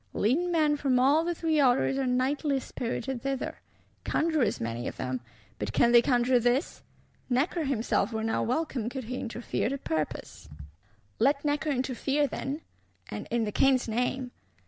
Leading men from all the Three Orders are nightly spirited thither; conjurors many of them; but can they conjure this? Necker himself were now welcome, could he interfere to purpose. Let Necker interfere, then; and in the King's name!